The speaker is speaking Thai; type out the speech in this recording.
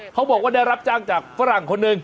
เขาบอกว่าได้รับจ้างจากฝรั่งคนหนึ่ง